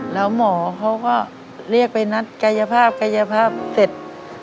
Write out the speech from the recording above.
แล้วหมอเขาก็เรียกไปนัดกายภาพกายภาพเสร็จ